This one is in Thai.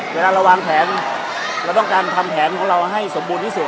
เวลาเราวางแผนเราต้องการทำแผนของเราให้สมบูรณ์ที่สุด